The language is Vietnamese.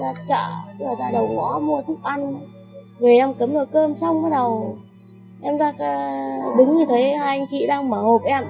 ra chợ ra đầu ngõ mua thuốc ăn về em cấm nồi cơm xong bắt đầu em ra đứng thì thấy hai anh chị đang mở hộp em